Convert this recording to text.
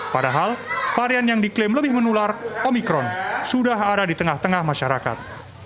padahal varian yang diklaim lebih menular omikron sudah ada di tengah tengah masyarakat